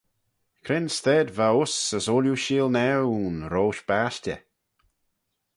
Cre'n stayd va uss as ooilley sheelnaaue ayn roish bashtey?